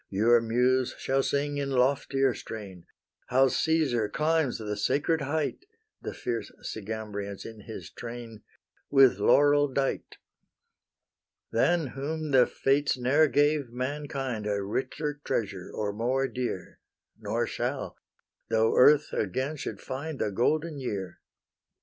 Your Muse shall sing in loftier strain How Caesar climbs the sacred height, The fierce Sygambrians in his train, With laurel dight, Than whom the Fates ne'er gave mankind A richer treasure or more dear, Nor shall, though earth again should find The golden year.